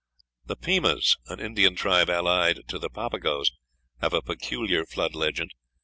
The Pimas, an Indian tribe allied to the Papagos, have a peculiar flood legend.